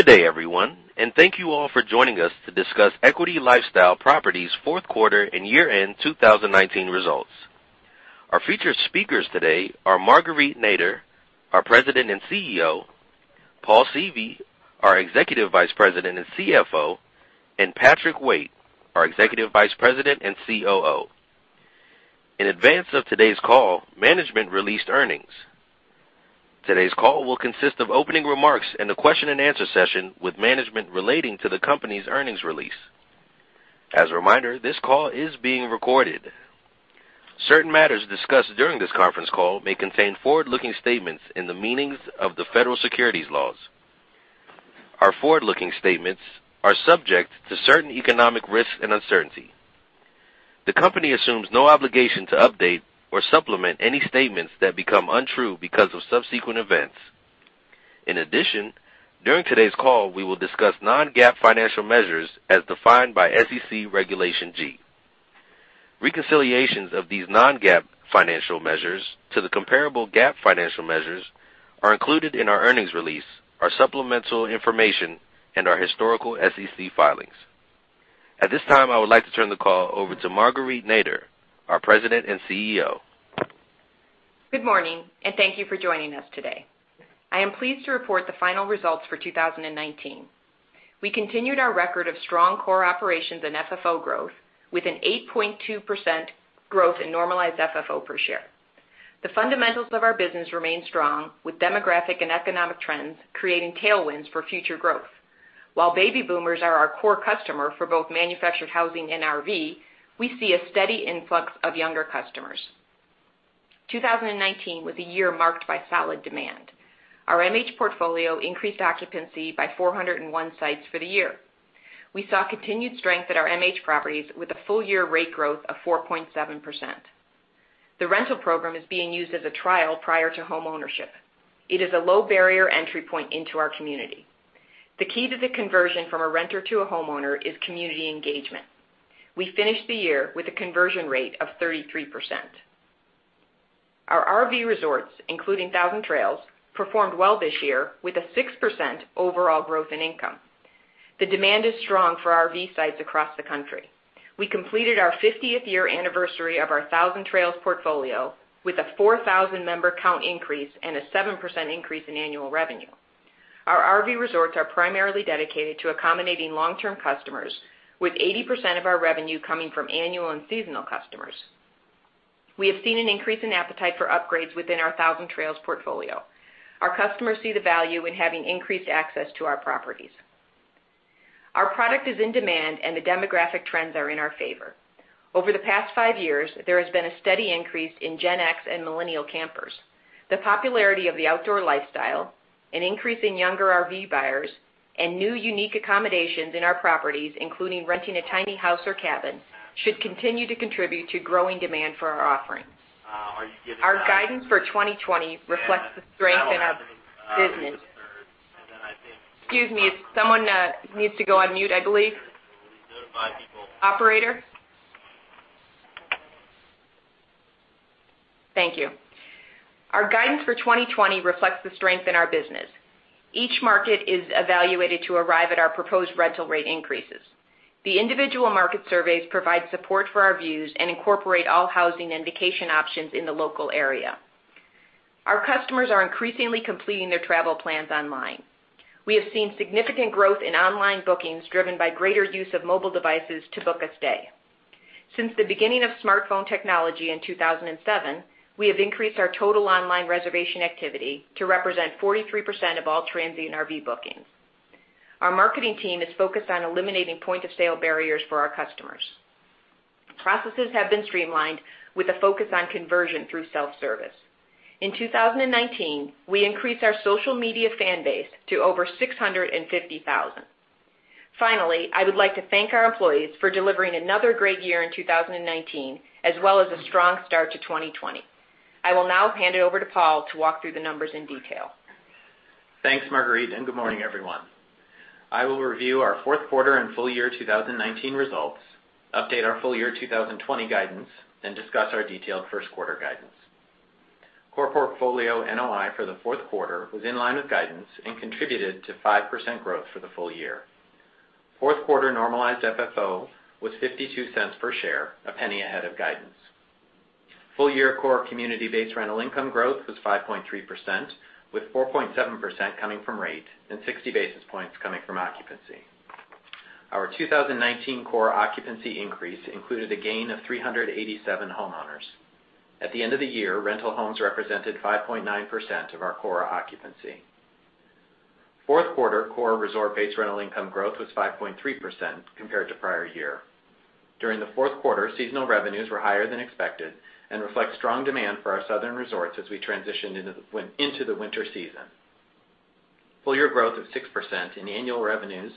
Good day, everyone. Thank you all for joining us to discuss Equity LifeStyle Properties' fourth quarter and year-end 2019 results. Our featured speakers today are Marguerite Nader, our President and CEO; Paul Seavey, our Executive Vice President and CFO; and Patrick Waite, our Executive Vice President and COO. In advance of today's call, management released earnings. Today's call will consist of opening remarks and a question-and-answer session with management relating to the company's earnings release. As a reminder, this call is being recorded. Certain matters discussed during this conference call may contain forward-looking statements in the meanings of the federal securities laws. Our forward-looking statements are subject to certain economic risks and uncertainty. The company assumes no obligation to update or supplement any statements that become untrue because of subsequent events. In addition, during today's call, we will discuss non-GAAP financial measures as defined by SEC Regulation G. Reconciliations of these non-GAAP financial measures to the comparable GAAP financial measures are included in our earnings release, our supplemental information, and our historical SEC filings. At this time, I would like to turn the call over to Marguerite Nader, our President and CEO. Good morning, and thank you for joining us today. I am pleased to report the final results for 2019. We continued our record of strong core operations and FFO growth with an 8.2% growth in normalized FFO per share. The fundamentals of our business remain strong, with demographic and economic trends creating tailwinds for future growth. While baby boomers are our core customer for both manufactured housing and RV, we see a steady influx of younger customers. 2019 was a year marked by solid demand. Our MH portfolio increased occupancy by 401 sites for the year. We saw continued strength at our MH properties with a full-year rate growth of 4.7%. The rental program is being used as a trial prior to homeownership. It is a low-barrier entry point into our community. The key to the conversion from a renter to a homeowner is community engagement. We finished the year with a conversion rate of 33%. Our RV resorts, including Thousand Trails, performed well this year, with a 6% overall growth in income. The demand is strong for RV sites across the country. We completed our 50th year anniversary of our Thousand Trails portfolio with a 4,000-member count increase and a 7% increase in annual revenue. Our RV resorts are primarily dedicated to accommodating long-term customers, with 80% of our revenue coming from annual and seasonal customers. We have seen an increase in appetite for upgrades within our Thousand Trails portfolio. Our customers see the value in having increased access to our properties. Our product is in demand, and the demographic trends are in our favor. Over the past five years, there has been a steady increase in Gen X and millennial campers. The popularity of the outdoor lifestyle, an increase in younger RV buyers, and new unique accommodations in our properties, including renting a tiny house or cabin, should continue to contribute to growing demand for our offerings. Our guidance for 2020 reflects the strength in our business. Excuse me. Someone needs to go on mute, I believe. Operator? Thank you. Our guidance for 2020 reflects the strength in our business. Each market is evaluated to arrive at our proposed rental rate increases. The individual market surveys provide support for our views and incorporate all housing and vacation options in the local area. Our customers are increasingly completing their travel plans online. We have seen significant growth in online bookings driven by greater use of mobile devices to book a stay. Since the beginning of smartphone technology in 2007, we have increased our total online reservation activity to represent 43% of all transient RV bookings. Our marketing team is focused on eliminating point-of-sale barriers for our customers. Processes have been streamlined with a focus on conversion through self-service. In 2019, we increased our social media fan base to over 650,000. Finally, I would like to thank our employees for delivering another great year in 2019 as well as a strong start to 2020. I will now hand it over to Paul to walk through the numbers in detail. Thanks, Marguerite, and good morning, everyone. I will review our fourth quarter and full year 2019 results, update our full year 2020 guidance, and discuss our detailed first quarter guidance. Core portfolio NOI for the fourth quarter was in line with guidance and contributed to 5% growth for the full year. Fourth quarter normalized FFO was $0.52 per share, a penny ahead of guidance. Full year core community-based rental income growth was 5.3%, with 4.7% coming from rate and 60 basis points coming from occupancy. Our 2019 core occupancy increase included a gain of 387 homeowners. At the end of the year, rental homes represented 5.9% of our core occupancy. Fourth quarter core resort-based rental income growth was 5.3% compared to prior year. During the fourth quarter, seasonal revenues were higher than expected and reflect strong demand for our southern resorts as we transitioned into the winter season. Full year growth of 6% in annual revenues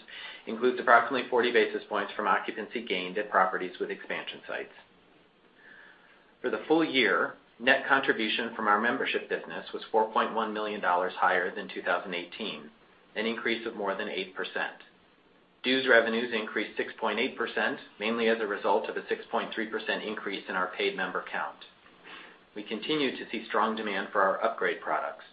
includes approximately 40 basis points from occupancy gained at properties with expansion sites. For the full year, net contribution from our membership business was $4.1 million higher than 2018, an increase of more than 8%. Dues revenues increased 6.8%, mainly as a result of a 6.3% increase in our paid member count. We continue to see strong demand for our upgrade products.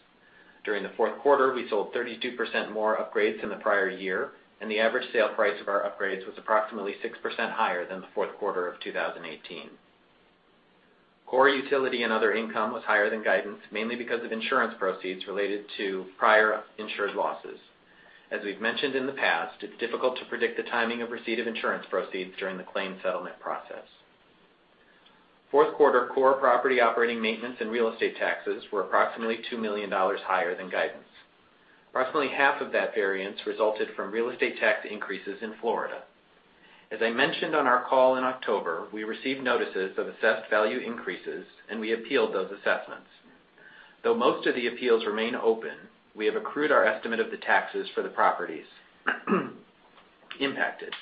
During the fourth quarter, we sold 32% more upgrades than the prior year, and the average sale price of our upgrades was approximately 6% higher than the fourth quarter of 2018. Core utility and other income was higher than guidance, mainly because of insurance proceeds related to prior insured losses. As we've mentioned in the past, it's difficult to predict the timing of receipt of insurance proceeds during the claim settlement process. Fourth quarter core property operating maintenance and real estate taxes were approximately $2 million higher than guidance. Approximately half of that variance resulted from real estate tax increases in Florida. As I mentioned on our call in October, we received notices of assessed value increases, and we appealed those assessments. Though most of the appeals remain open, we have accrued our estimate of the taxes for the properties impacted.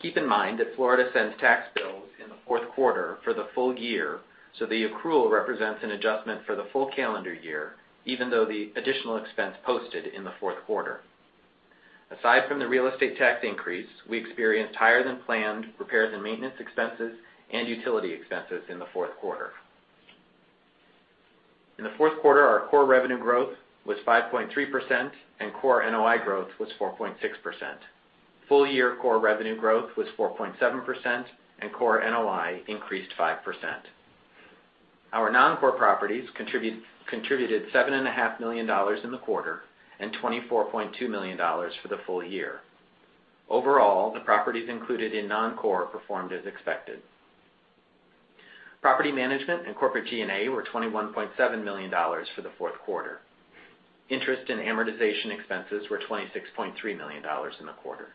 Keep in mind that Florida sends tax bills in the fourth quarter for the full year, so the accrual represents an adjustment for the full calendar year, even though the additional expense posted in the fourth quarter. Aside from the real estate tax increase, we experienced higher-than-planned repairs and maintenance expenses and utility expenses in the fourth quarter. In the fourth quarter, our core revenue growth was 5.3% and core NOI growth was 4.6%. Full-year core revenue growth was 4.7%, and core NOI increased 5%. Our non-core properties contributed $7.5 million in the quarter and $24.2 million for the full year. Overall, the properties included in non-core performed as expected. Property management and corporate G&A were $21.7 million for the fourth quarter. Interest and amortization expenses were $26.3 million in the quarter.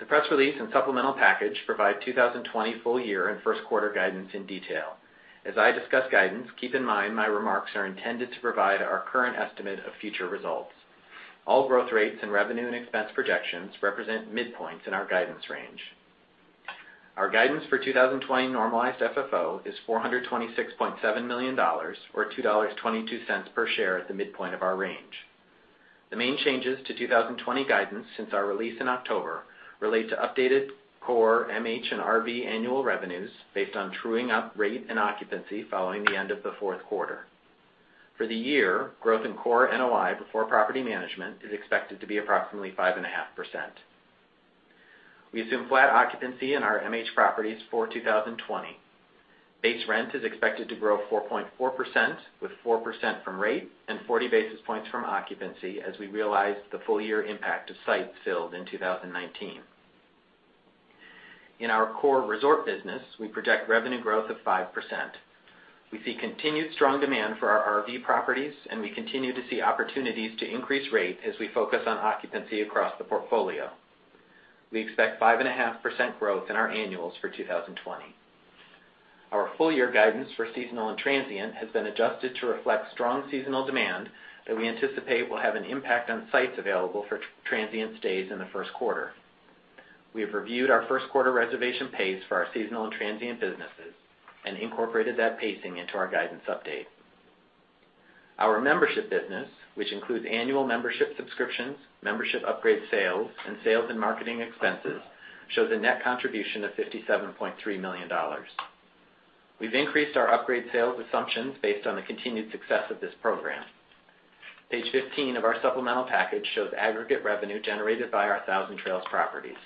The press release and supplemental package provide 2020 full-year and first-quarter guidance in detail. As I discuss guidance, keep in mind my remarks are intended to provide our current estimate of future results. All growth rates and revenue and expense projections represent midpoints in our guidance range. Our guidance for 2020 normalized FFO is $426.7 million, or $2.22 per share at the midpoint of our range. The main changes to 2020 guidance since our release in October relate to updated core MH and RV annual revenues based on truing up rate and occupancy following the end of the fourth quarter. For the year, growth in core NOI before property management is expected to be approximately 5.5%. We assume flat occupancy in our MH properties for 2020. Base rent is expected to grow 4.4%, with 4% from rate and 40 basis points from occupancy, as we realize the full-year impact of sites filled in 2019. In our core resort business, we project revenue growth of 5%. We see continued strong demand for our RV properties, and we continue to see opportunities to increase rate as we focus on occupancy across the portfolio. We expect 5.5% growth in our annuals for 2020. Our full-year guidance for seasonal and transient has been adjusted to reflect strong seasonal demand that we anticipate will have an impact on sites available for transient stays in the first quarter. We have reviewed our first-quarter reservation pace for our seasonal and transient businesses and incorporated that pacing into our guidance update. Our membership business, which includes annual membership subscriptions, membership upgrade sales, and sales and marketing expenses, shows a net contribution of $57.3 million. We've increased our upgrade sales assumptions based on the continued success of this program. Page 15 of our supplemental package shows aggregate revenue generated by our Thousand Trails properties.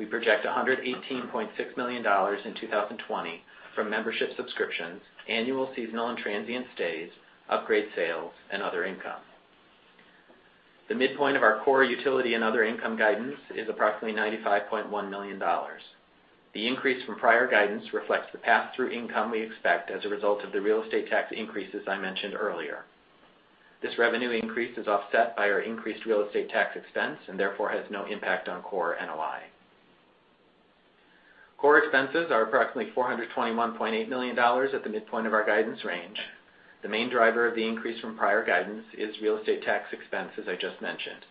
We project $118.6 million in 2020 from membership subscriptions, annual, seasonal, and transient stays, upgrade sales, and other income. The midpoint of our core utility and other income guidance is approximately $95.1 million. The increase from prior guidance reflects the pass-through income we expect as a result of the real estate tax increases I mentioned earlier. This revenue increase is offset by our increased real estate tax expense and therefore has no impact on core NOI. Core expenses are approximately $421.8 million at the midpoint of our guidance range. The main driver of the increase from prior guidance is real estate tax expense, as I just mentioned.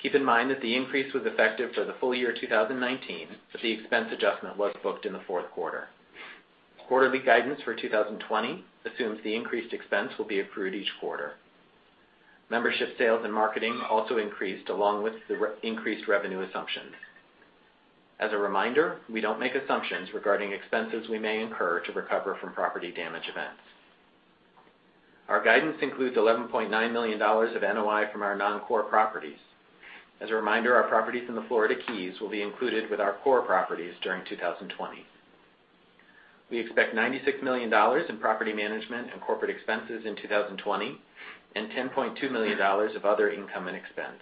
Keep in mind that the increase was effective for the full year 2019, but the expense adjustment was booked in the fourth quarter. Quarterly guidance for 2020 assumes the increased expense will be accrued each quarter. Membership sales and marketing also increased along with the increased revenue assumptions. As a reminder, we don't make assumptions regarding expenses we may incur to recover from property damage events. Our guidance includes $11.9 million of NOI from our non-core properties. As a reminder, our properties in the Florida Keys will be included with our core properties during 2020. We expect $96 million in property management and corporate expenses in 2020 and $10.2 million of other income and expense.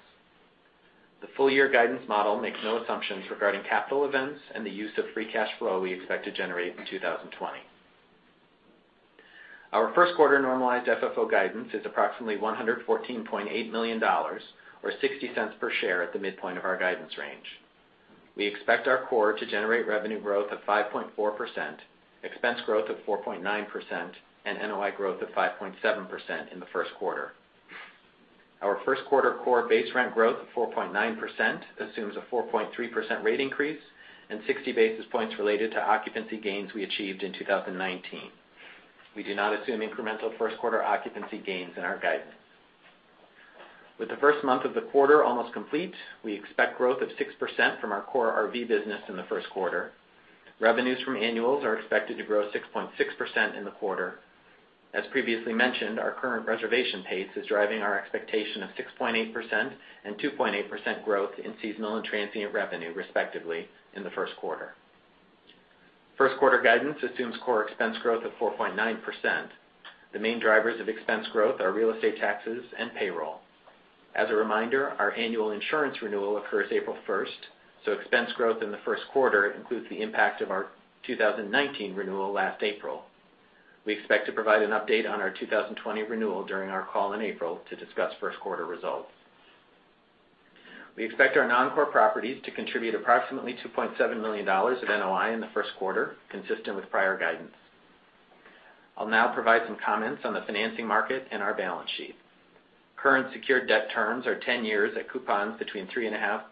The full-year guidance model makes no assumptions regarding capital events and the use of free cash flow we expect to generate in 2020. Our first quarter normalized FFO guidance is approximately $114.8 million, or $0.60 per share at the midpoint of our guidance range. We expect our core to generate revenue growth of 5.4%, expense growth of 4.9%, and NOI growth of 5.7% in the first quarter. Our first quarter core base rent growth of 4.9% assumes a 4.3% rate increase and 60 basis points related to occupancy gains we achieved in 2019. We do not assume incremental first quarter occupancy gains in our guidance. With the first month of the quarter almost complete, we expect growth of 6% from our core RV business in the first quarter. Revenues from annuals are expected to grow 6.6% in the quarter. As previously mentioned, our current reservation pace is driving our expectation of 6.8% and 2.8% growth in seasonal and transient revenue, respectively, in the first quarter. First quarter guidance assumes core expense growth of 4.9%. The main drivers of expense growth are real estate taxes and payroll. As a reminder, our annual insurance renewal occurs April 1st, so expense growth in the first quarter includes the impact of our 2019 renewal last April. We expect to provide an update on our 2020 renewal during our call in April to discuss first quarter results. We expect our non-core properties to contribute approximately $2.7 million of NOI in the first quarter, consistent with prior guidance. I'll now provide some comments on the financing market and our balance sheet. Current secured debt terms are 10 years at coupons between 3.5%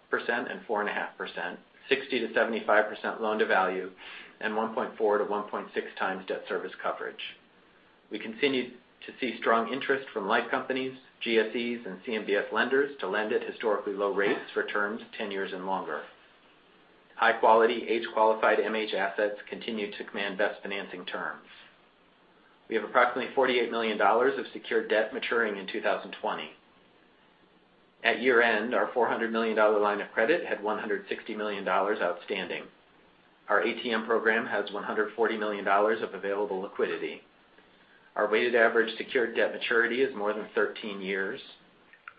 and 4.5%, 60%-75% loan-to-value, and 1.4x–1.6x times debt service coverage. We continue to see strong interest from life companies, GSEs, and CMBS lenders to lend at historically low rates for terms 10 years and longer. High-quality, age-qualified MH assets continue to command best financing terms. We have approximately $48 million of secured debt maturing in 2020. At year-end, our $400 million line of credit had $160 million outstanding. Our ATM program has $140 million of available liquidity. Our weighted average secured debt maturity is more than 13 years.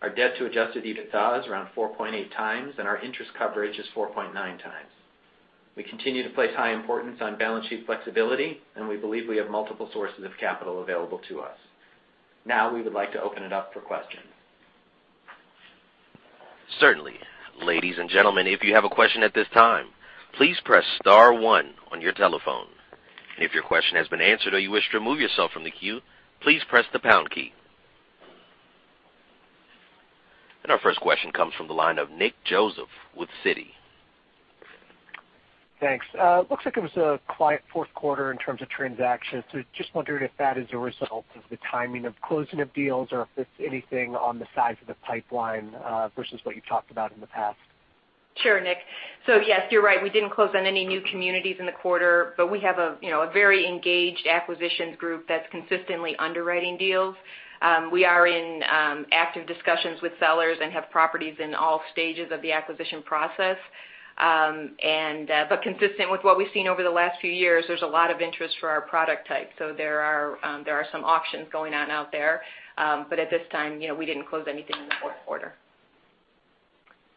Our debt to adjusted EBITDA is around 4.8x, and our interest coverage is 4.9x. We continue to place high importance on balance sheet flexibility, and we believe we have multiple sources of capital available to us. Now, we would like to open it up for questions. Certainly. Ladies and gentlemen, if you have a question at this time, please press *1 on your telephone. If your question has been answered or you wish to remove yourself from the queue, please press the # key. Our first question comes from the line of Nick Joseph with Citi. Thanks. Looks like it was a quiet fourth quarter in terms of transactions. Just wondering if that is a result of the timing of closing of deals or if it's anything on the size of the pipeline versus what you've talked about in the past. Sure, Nick. Yes, you're right, we didn't close on any new communities in the quarter, but we have a very engaged acquisitions group that's consistently underwriting deals. We are in active discussions with sellers and have properties in all stages of the acquisition process. Consistent with what we've seen over the last few years, there's a lot of interest for our product type. There are some auctions going on out there. At this time, we didn't close anything in the fourth quarter.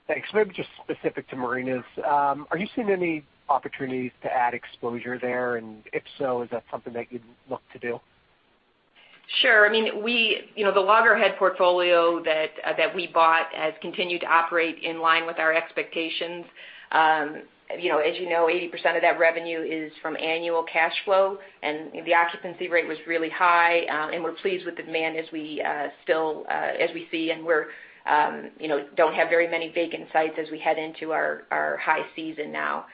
Thanks. Maybe just specific to marinas. Are you seeing any opportunities to add exposure there? If so, is that something that you'd look to do? Sure. The Loggerhead portfolio that we bought has continued to operate in line with our expectations. As you know, 80% of that revenue is from annual cash flow, and the occupancy rate was really high, and we're pleased with demand as we see, and we don't have very many vacant sites as we head into our high season now.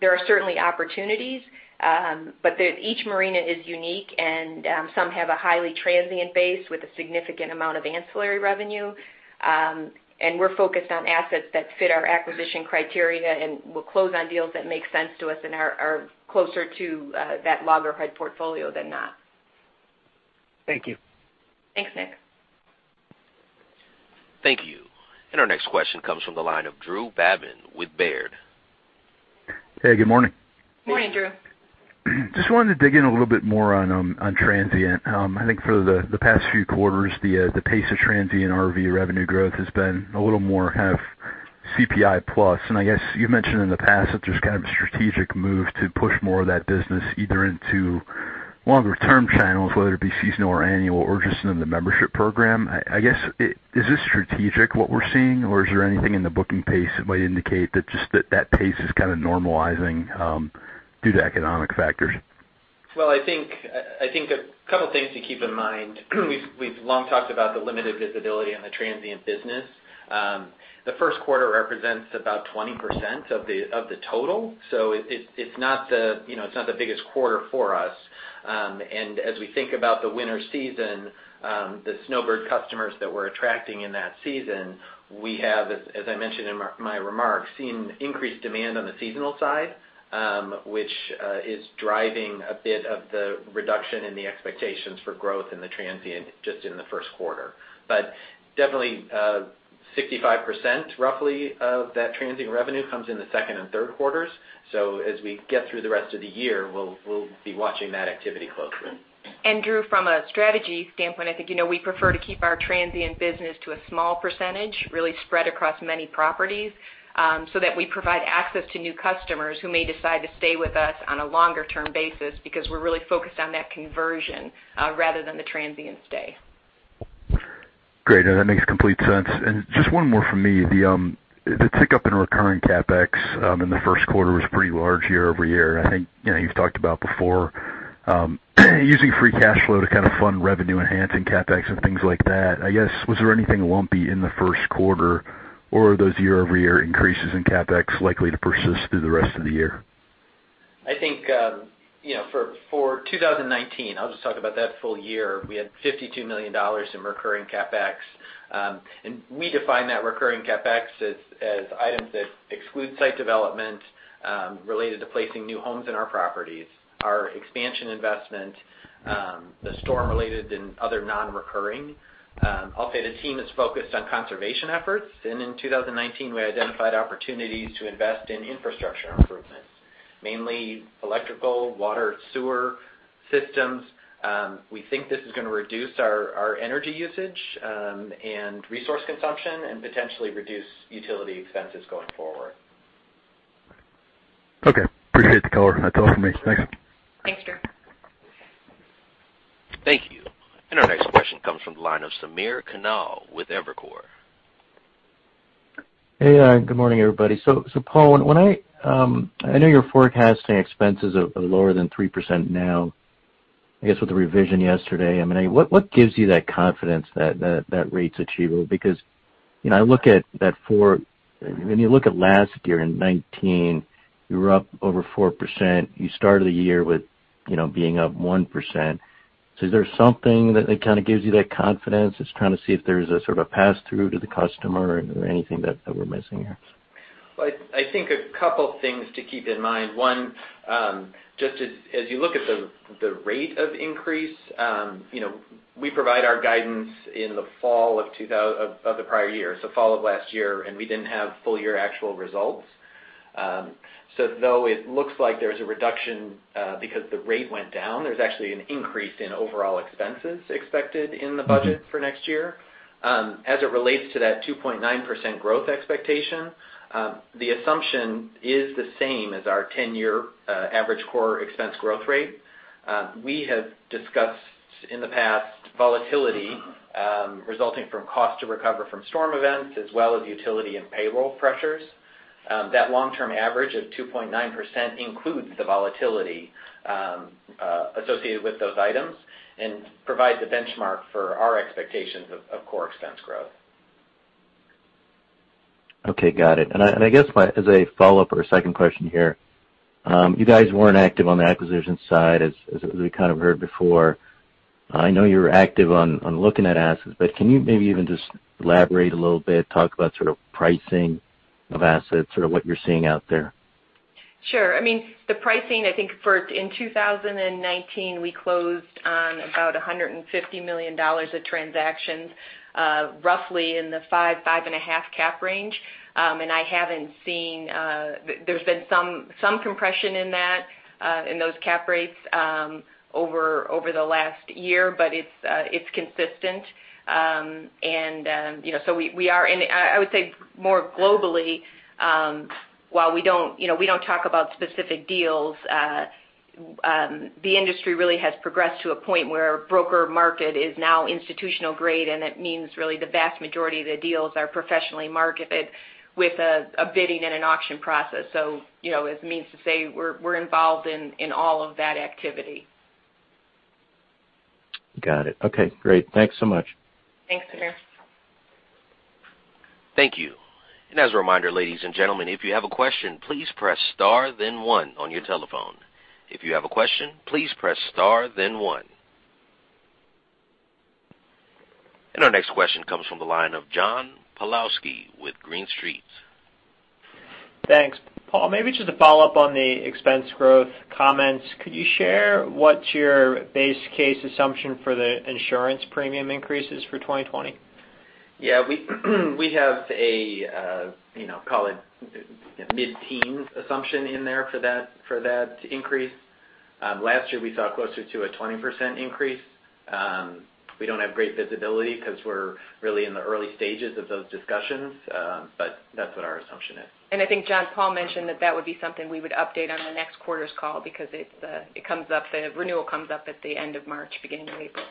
There are certainly opportunities, but each marina is unique, and some have a highly transient base with a significant amount of ancillary revenue. We're focused on assets that fit our acquisition criteria, and we'll close on deals that make sense to us and are closer to that Loggerhead portfolio than not. Thank you. Thanks, Nick. Thank you. Our next question comes from the line of Drew Babin with Baird. Hey, good morning. Morning, Drew. Just wanted to dig in a little bit more on transient. I think for the past few quarters, the pace of transient RV revenue growth has been a little more CPI plus. I guess you've mentioned in the past that there's kind of a strategic move to push more of that business either into longer-term channels, whether it be seasonal or annual, or just in the membership program. I guess, is this strategic, what we're seeing, or is there anything in the booking pace that might indicate that pace is kind of normalizing due to economic factors? Well, I think a couple things to keep in mind. We've long talked about the limited visibility on the transient business. The first quarter represents about 20% of the total, so it's not the biggest quarter for us. As we think about the winter season, the snowbird customers that we're attracting in that season, we have, as I mentioned in my remarks, seen increased demand on the seasonal side, which is driving a bit of the reduction in the expectations for growth in the transient just in the first quarter. Definitely, 65%, roughly, of that transient revenue comes in the second and third quarters. As we get through the rest of the year, we'll be watching that activity closely. Drew, from a strategy standpoint, I think you know we prefer to keep our transient business to a small percentage, really spread across many properties, so that we provide access to new customers who may decide to stay with us on a longer-term basis because we're really focused on that conversion rather than the transient stay. Great, that makes complete sense. Just one more from me. The tick up in recurring CapEx in the first quarter was pretty large year-over-year. I think you've talked about before using free cash flow to kind of fund revenue enhancing CapEx and things like that. I guess, was there anything lumpy in the first quarter? Or are those year-over-year increases in CapEx likely to persist through the rest of the year? I think for 2019, I'll just talk about that full year, we had $52 million in recurring CapEx. We define that recurring CapEx as items that exclude site development related to placing new homes in our properties, our expansion investment, the storm-related and other non-recurring. I'll say the team is focused on conservation efforts, and in 2019, we identified opportunities to invest in infrastructure improvements, mainly electrical, water, sewer systems. We think this is going to reduce our energy usage and resource consumption, and potentially reduce utility expenses going forward. Okay. Appreciate the color. That's all for me. Thanks. Thanks, Drew. Thank you. Our next question comes from the line of Samir Khanal with Evercore. Hey. Good morning, everybody. Paul, I know you're forecasting expenses of lower than 3% now, I guess with the revision yesterday. What gives you that confidence that rate's achievable? When you look at last year in 2019, you were up over 4%. You started the year with being up 1%. Is there something that kind of gives you that confidence? Just trying to see if there's a sort of pass-through to the customer or anything that we're missing here. I think a couple things to keep in mind. One, just as you look at the rate of increase, we provide our guidance in the fall of the prior year, so fall of last year, and we didn't have full year actual results. Though it looks like there's a reduction because the rate went down, there's actually an increase in overall expenses expected in the budget for next year. As it relates to that 2.9% growth expectation, the assumption is the same as our 10-year average core expense growth rate. We have discussed in the past volatility resulting from cost to recover from storm events as well as utility and payroll pressures. That long-term average of 2.9% includes the volatility associated with those items and provides a benchmark for our expectations of core expense growth. Okay. Got it. I guess as a follow-up or a second question here, you guys weren't active on the acquisition side as we kind of heard before. I know you were active on looking at assets, but can you maybe even just elaborate a little bit, talk about sort of pricing of assets or what you're seeing out there? Sure. I mean, the pricing, I think in 2019, we closed on about $150 million of transactions, roughly in the five and a half cap range. There's been some compression in those cap rates over the last year, it's consistent. I would say more globally, while we don't talk about specific deals, the industry really has progressed to a point where broker market is now institutional grade, and it means really the vast majority of the deals are professionally marketed with a bidding and an auction process. It means to say we're involved in all of that activity. Got it. Okay, great. Thanks so much. Thanks, Samir. Thank you. As a reminder, ladies and gentlemen, if you have a question, please press star then one on your telephone. If you have a question, please press star then one. Our next question comes from the line of John Pawlowski with Green Street. Thanks. Paul, maybe just a follow-up on the expense growth comments. Could you share what's your base case assumption for the insurance premium increases for 2020? Yeah. We have a, call it mid-teens assumption in there for that increase. Last year, we saw closer to a 20% increase. We don't have great visibility because we're really in the early stages of those discussions, but that's what our assumption is. I think, John, Paul mentioned that that would be something we would update on the next quarter's call because the renewal comes up at the end of March, beginning of April.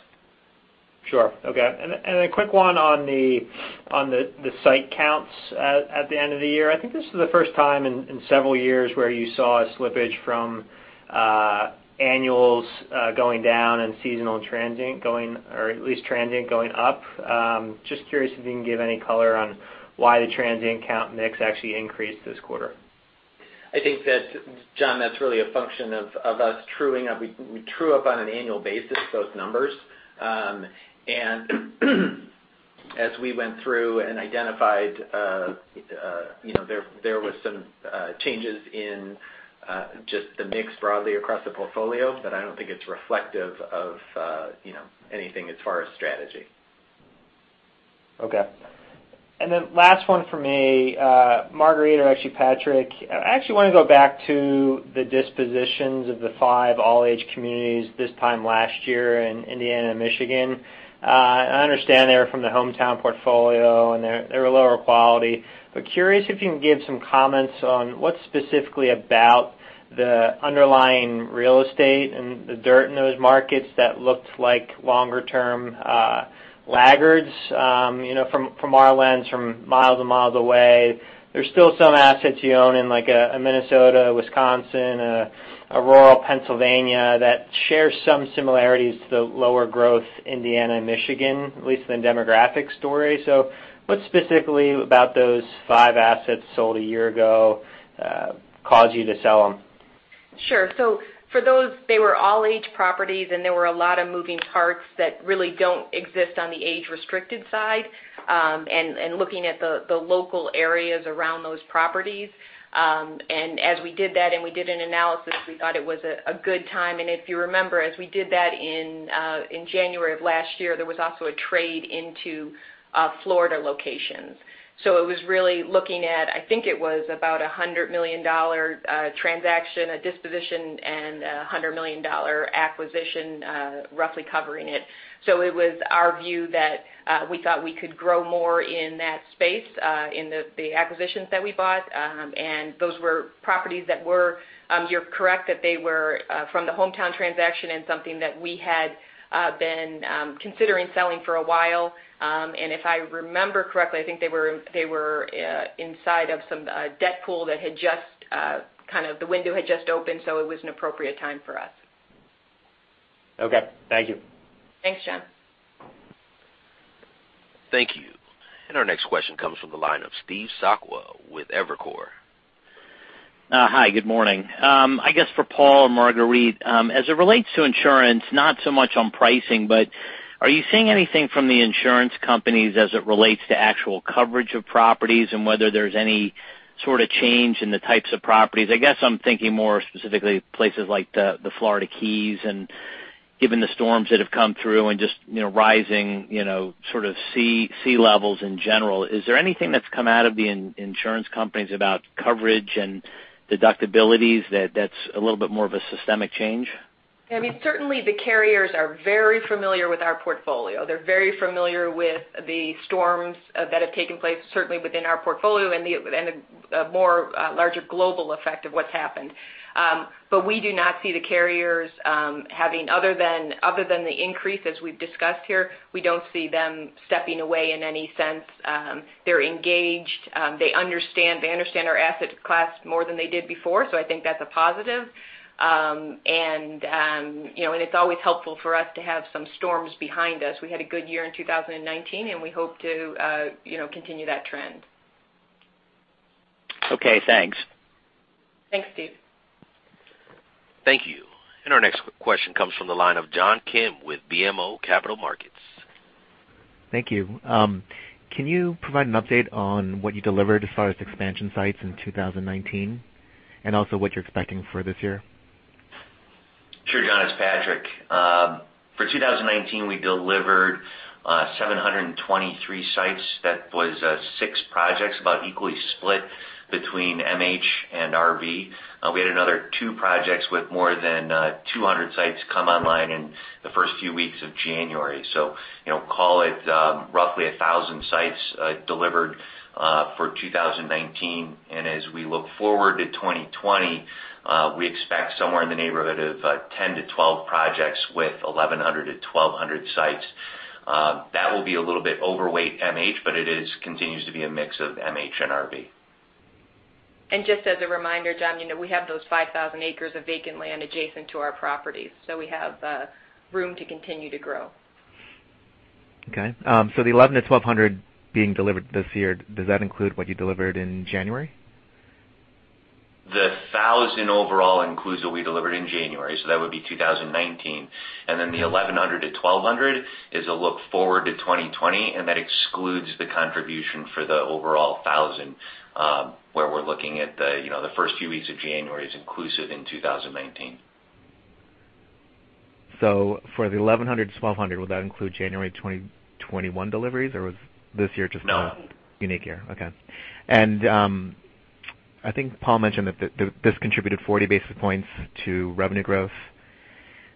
Sure. Okay. A quick one on the site counts at the end of the year. I think this is the first time in several years where you saw a slippage from annuals going down and seasonal transient going, or at least transient going up. Just curious if you can give any color on why the transient count mix actually increased this quarter. I think that, John, that's really a function of us truing up. We true up on an annual basis those numbers. As we went through and identified, there was some changes in just the mix broadly across the portfolio, but I don't think it's reflective of anything as far as strategy. Okay. Last one for me. Marguerite, or actually Patrick, I actually want to go back to the dispositions of the five all-age communities this time last year in Indiana and Michigan. I understand they were from the Hometown portfolio and they were lower quality, but curious if you can give some comments on what specifically about the underlying real estate and the dirt in those markets that looked like longer-term laggards from our lens, from miles and miles away. There's still some assets you own in like Minnesota, Wisconsin, rural Pennsylvania that share some similarities to the lower growth Indiana and Michigan, at least in demographic story. What specifically about those five assets sold a year ago caused you to sell them? Sure. For those, they were all age properties, and there were a lot of moving parts that really don't exist on the age-restricted side, and looking at the local areas around those properties. As we did that and we did an analysis, we thought it was a good time. If you remember, as we did that in January of last year, there was also a trade into Florida locations. It was really looking at, I think it was about $100 million transaction, a disposition, and a $100 million acquisition, roughly covering it. It was our view that we thought we could grow more in that space, in the acquisitions that we bought. Those were properties that were You're correct that they were from the Hometown transaction and something that we had been considering selling for a while. If I remember correctly, I think they were inside of some debt pool that had just kind of, the window had just opened, so it was an appropriate time for us. Okay. Thank you. Thanks, John. Thank you. Our next question comes from the line of Steve Sakwa with Evercore. Hi, good morning. I guess for Paul and Marguerite, as it relates to insurance, not so much on pricing, but are you seeing anything from the insurance companies as it relates to actual coverage of properties and whether there's any sort of change in the types of properties? I guess I'm thinking more specifically places like the Florida Keys and given the storms that have come through and just rising sort of sea levels in general. Is there anything that's come out of the insurance companies about coverage and deductibilities that's a little bit more of a systemic change? I mean, certainly the carriers are very familiar with our portfolio. They're very familiar with the storms that have taken place, certainly within our portfolio and the more larger global effect of what's happened. We do not see the carriers having, other than the increase as we've discussed here, we don't see them stepping away in any sense. They're engaged. They understand our asset class more than they did before, so I think that's a positive. It's always helpful for us to have some storms behind us. We had a good year in 2019, and we hope to continue that trend. Okay, thanks. Thanks, Steve. Thank you. Our next question comes from the line of John Kim with BMO Capital Markets. Thank you. Can you provide an update on what you delivered as far as expansion sites in 2019? Also what you're expecting for this year? Sure, John, it's Patrick. For 2019, we delivered 723 sites. That was six projects, about equally split between MH and RV. We had another two projects with more than 200 sites come online in the first few weeks of January. Call it roughly 1,000 sites delivered for 2019. As we look forward to 2020, we expect somewhere in the neighborhood of 10-12 projects with 1,100-1,200 sites. That will be a little bit overweight MH, but it continues to be a mix of MH and RV. Just as a reminder, John, we have those 5,000 acres of vacant land adjacent to our properties, so we have room to continue to grow. Okay. The 1,100-1,200 being delivered this year, does that include what you delivered in January? The 1,000 overall includes what we delivered in January, that would be 2019. The 1,100-1,200 is a look forward to 2020, and that excludes the contribution for the overall 1,000, where we're looking at the first few weeks of January as inclusive in 2019. For the 1,100 to 1,200, would that include January 2021 deliveries, or was this year— No Just a unique year? Okay. I think Paul mentioned that this contributed 40 basis points to revenue growth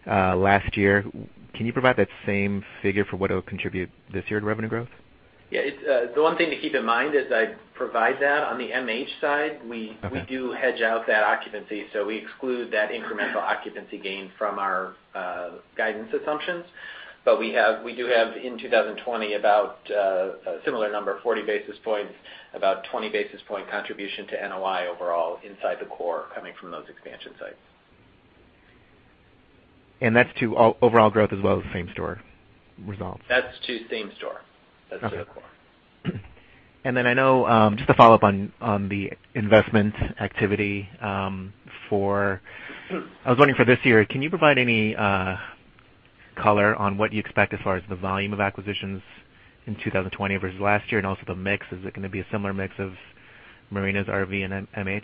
last year. Can you provide that same figure for what it'll contribute this year to revenue growth? Yeah. The one thing to keep in mind as I provide that on the MH side. Okay. We do hedge out that occupancy, so we exclude that incremental occupancy gain from our guidance assumptions. We do have in 2020 about a similar number, 40 basis points, about 20 basis point contribution to NOI overall inside the core coming from those expansion sites. That's to overall growth as well as same store results? That's to same store. Okay. That's to the core. I know, just to follow up on the investment activity, I was wondering for this year, can you provide any color on what you expect as far as the volume of acquisitions in 2020 versus last year, and also the mix? Is it going to be a similar mix of marinas, RV, and MH?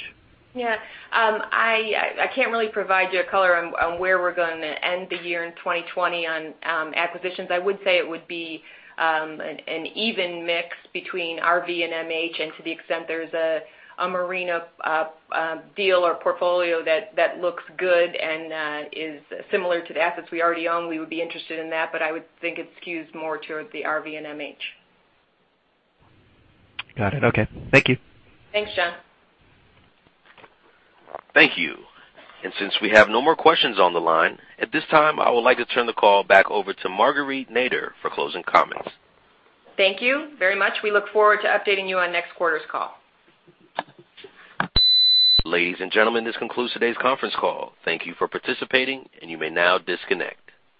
Yeah. I can't really provide you a color on where we're going to end the year in 2020 on acquisitions. I would say it would be an even mix between RV and MH, and to the extent there's a marina deal or portfolio that looks good and is similar to the assets we already own, we would be interested in that, but I would think it skews more towards the RV and MH. Got it. Okay. Thank you. Thanks, John. Thank you. Since we have no more questions on the line, at this time, I would like to turn the call back over to Marguerite Nader for closing comments. Thank you very much. We look forward to updating you on next quarter's call. Ladies and gentlemen, this concludes today's conference call. Thank you for participating, and you may now disconnect.